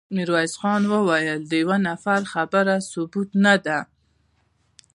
ميرويس خان وويل: د يوه نفر خبره ثبوت نه ده.